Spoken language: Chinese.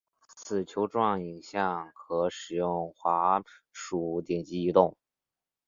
此球状影像可使用滑鼠点击移动。